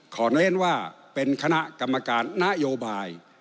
เน้นว่าเป็นคณะกรรมการนโยบาย